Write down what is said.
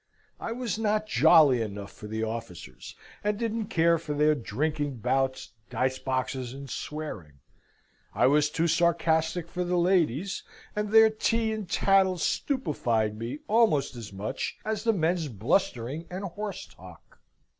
I was not jolly enough for the officers, and didn't care for their drinking bouts, dice boxes, and swearing. I was too sarcastic for the ladies, and their tea and tattle stupefied me almost as much as the men's blustering and horse talk.